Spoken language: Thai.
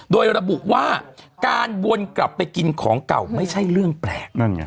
โดยระบุว่าการวนกลับไปกินของเก่าไม่ใช่เรื่องแปลกนั่นไง